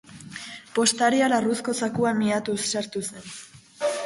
Postaria larruzko zakuan miatuz sartu zen.